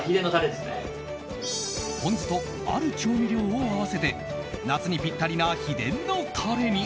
ポン酢とある調味料を合わせて夏にピッタリな秘伝のタレに。